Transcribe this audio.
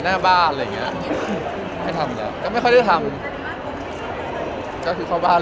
ตัวอย่างเงี้ยบางทีมันก็อยู่กับหมาเล่นกับหมาหน้าบ้าน